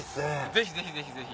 ぜひぜひぜひぜひ。